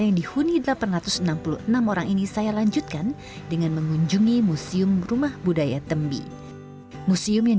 yang dihuni delapan ratus enam puluh enam orang ini saya lanjutkan dengan mengunjungi museum rumah budaya tembi museum yang